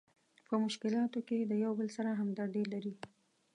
په مشکلاتو کې د یو بل سره همدردي لري.